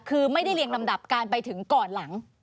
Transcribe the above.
คือไม่ได้เรียงลำดับการไปถึงก่อนหลัง